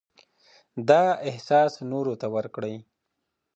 دا احساس نورو ته ورکړئ.